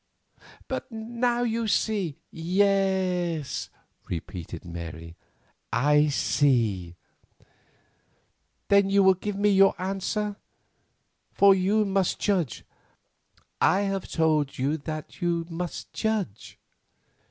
But now you see——" "Yes," repeated Mary, "I see." "Then will you give me your answer? For you must judge; I have told you that you must judge."